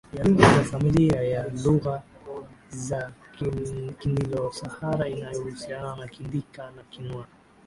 ya lugha za familia ya lugha za KiniloSahara inayohusiana na Kidinka na Kinuer